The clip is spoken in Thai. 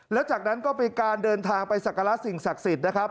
แล้วจากนั้นก็ไปการเดินทางไปสักกรรษสิ่งศักดีศิษย์